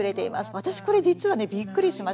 私これ実はねびっくりしました。